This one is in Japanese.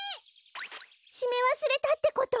しめわすれたってこと！？